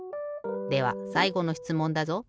ではさいごのしつもんだぞ。